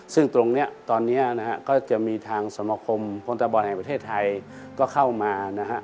ซึ่งตรงนี้ตอนนี้นะฮะก็จะมีทางสมคมพลตะบอลแห่งประเทศไทยก็เข้ามานะฮะ